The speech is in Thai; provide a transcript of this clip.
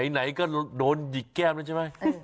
ไหนก็โดนหยิกแก้มแล้วใช่ไหม